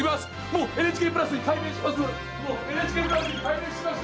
もうＮＨＫプラスに改名しました！